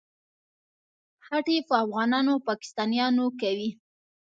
خټې په افغانانو او پاکستانیانو کوي.